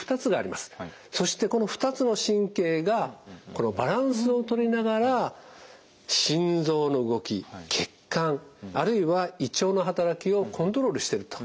そしてこの２つの神経がバランスをとりながら心臓の動き血管あるいは胃腸の働きをコントロールしてるということが分かっています。